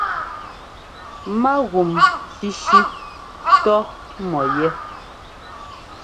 Mágúm shíshí tɔ́ mɔ yɛ́.